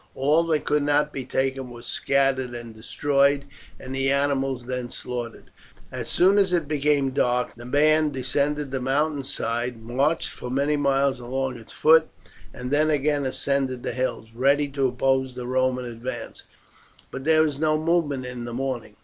All that could not be taken was scattered and destroyed, and the animals then slaughtered. As soon as it became dark the band descended the mountain side, marched for many miles along its foot, and then again ascended the hills, ready to oppose the Roman advance; but there was no movement in the morning.